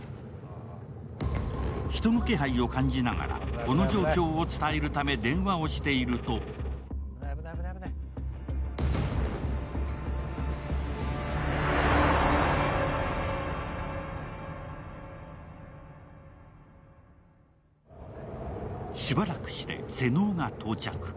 人の気配を感じながらこの状況を伝えるため電話をしているとしばらくして瀬能が到着。